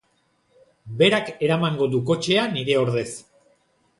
Berak eramango du kotxea nire ordez.